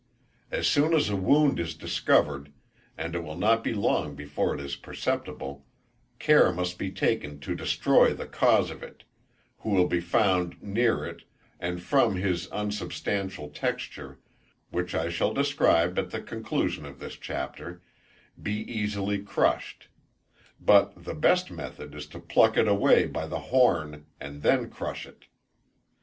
As soon as a wound is discovered, and it will not be long before it is perceptible, care must be taken to destroy the cause of it, who will be found near it, and from his unsubstantial texture, which I shall describe at the conclusion of this chapter, be easily crushed: but the best method is to pluck it away by the horn, and then crush it.